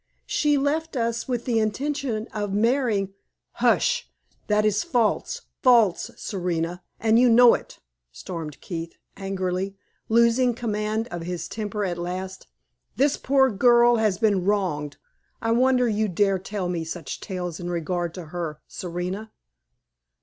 She left us with the intention of marrying " "Hush! That is false false, Serena, and you know it!" stormed Keith, angrily, losing command of his temper at last. "This poor girl has been wronged. I wonder you dare tell me such tales in regard to her, Serena!"